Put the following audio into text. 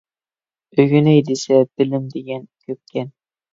ئۆگىنەي دېسە بىلىم دېگەن كۆپكەن.